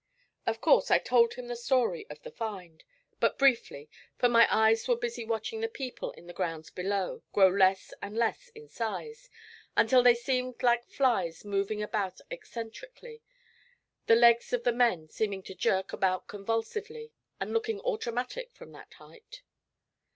Of course I told him the story of the find but briefly, for my eyes were busy watching the people in the grounds below grow less and less in size, until they seemed like flies moving about eccentrically, the legs of the men seeming to jerk about convulsively, and looking automatic from that height.